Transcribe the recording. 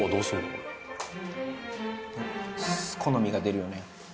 これ好みが出るよね